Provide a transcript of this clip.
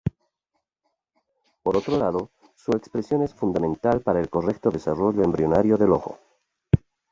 Por otro lado, su expresión es fundamental para el correcto desarrollo embrionario del ojo.